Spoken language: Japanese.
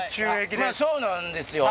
まぁそうなんですよ。